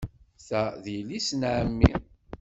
Ta d yelli-s n ɛemmi.